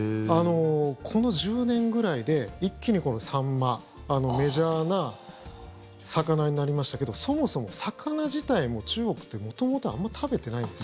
この１０年ぐらいで一気にこのサンマメジャーな魚になりましたけどそもそも魚自体も中国って元々あんまり食べてないんです。